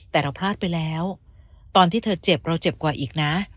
แต่เราพลาดไปแล้วตอนที่เธอเจ็บเราเจ็บกว่าอีกนะ